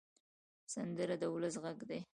سندره د ولس غږ دی